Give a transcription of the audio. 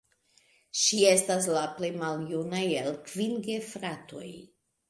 Ŝi estas la plej maljuna el kvin gefratoj.